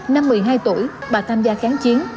năm một mươi hai tuổi bà tham gia kháng chiến